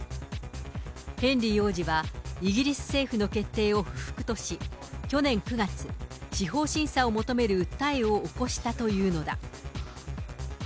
ヘンリー王子は、イギリス政府の決定を不服とし、去年９月、司法審査を求める訴えを起こしたというのだ。